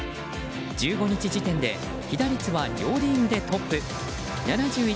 １５日時点で被打率は両リーグでトップ７１